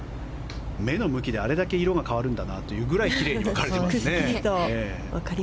芽の向きであれだけ色が変わるんだなというぐらいきれいに分かれていますね。